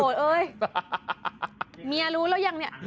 โถ่มียรู้แล้วยัง